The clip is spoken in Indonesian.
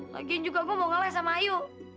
lagian juga gue mau ngelah sama ayu